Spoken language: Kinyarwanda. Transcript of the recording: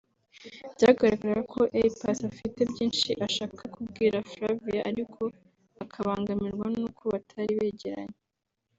Byagaragaraga ko A Pass afite byinshi ashaka kubwira Flavia ariko akabangamirwa n’uko batari begeranye